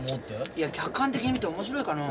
いや客観的に見て面白いかな。